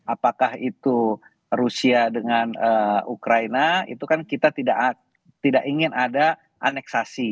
apakah itu rusia dengan ukraina itu kan kita tidak ingin ada aneksasi